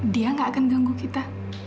dia gak akan ganggu kita